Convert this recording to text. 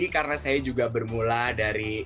karena saya juga bermula dari